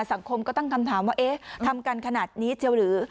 สังคมก็ตั้งคำถามว่าเอ๊ะทำกันขนาดนี้เจียวหรือ